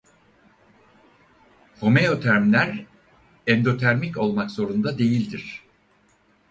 Homeotermler endotermik olmak zorunda değildir.